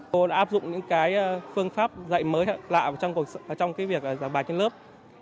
tôi đã áp dụng những cái phương pháp dạy mới lạ trong cái việc giảng bài trên lớp